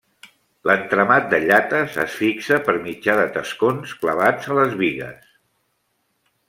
L'entramat de llates es fixa per mitjà de tascons clavats a les bigues.